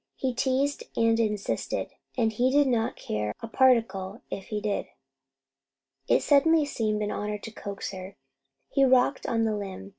He teased and insisted, and he did not care a particle if he did. It suddenly seemed an honour to coax her. He rocked on the limb.